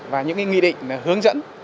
và những nghi định hướng dẫn